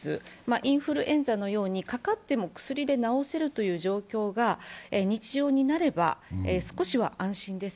インフルエンザのようにかかっても薬で治せるという状況が日常になれば、少しは安心です。